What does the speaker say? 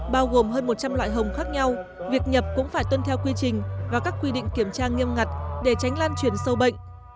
bao gồm hơn một trăm linh loại hồng khác nhau việc nhập cũng phải tuân theo quy trình và các quy định kiểm tra nghiêm ngặt để tránh lan truyền sâu bệnh